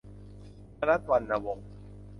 มนัส วรรณวงศ์